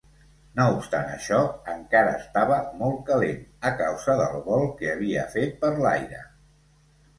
No obstant això, encara estava molt calent a causa del vol que havia fet per l'aire.